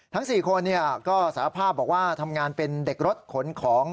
ทั้ง๔คนก็สารภาพบอกว่าทำงานเป็นเด็กรถขนของ